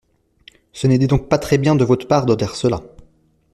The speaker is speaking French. Ce n’était donc pas très bien de votre part de dire cela.